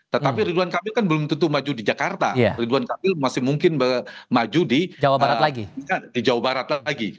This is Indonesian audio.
tetapi ridwan kamil kan belum tentu maju di jakarta ridwan kamil masih mungkin maju di jawa barat lagi